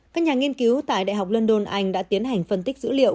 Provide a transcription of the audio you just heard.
các nhà nghiên cứu tại đại học london anh đã tiến hành phân tích dữ liệu